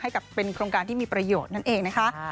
กับเป็นโครงการที่มีประโยชน์นั่นเองนะคะ